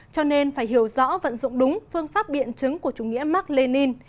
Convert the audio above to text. cho nên phải hiểu rõ vận dụng đúng phương pháp biện chứng của chủ nghĩa mark lenin